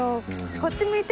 こっち向いて。